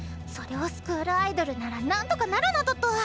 それをスクールアイドルなら何とかなるなどと！